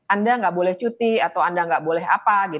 anda nggak boleh cuti atau anda nggak boleh apa